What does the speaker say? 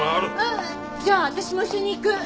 じゃあ私も一緒に行く！